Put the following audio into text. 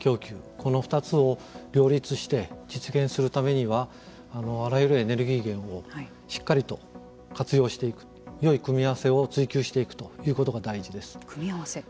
この２つを両立して実現するためにはあらゆるエネルギー源をしっかりと活用していくよい組み合わせを追求していくということが組み合わせ。